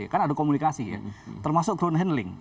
kan ada komunikasi ya termasuk ground handling